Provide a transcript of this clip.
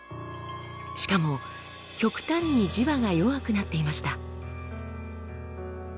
しかも極端に磁場が弱くなっていました。